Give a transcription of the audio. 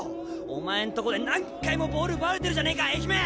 お前んとこで何回もボール奪われてるじゃねえか愛媛！